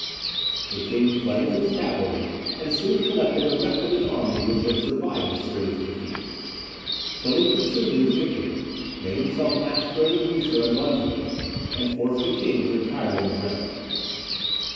The king fled with his cavalry, and soon collected the wreck of his army which had survived this serious defeat. Tilly pursued his victory, made himself master of the Weser and Brunswick, and forced the king to retire into Bremen.